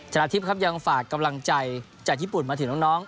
นาทิพย์ครับยังฝากกำลังใจจากญี่ปุ่นมาถึงน้อง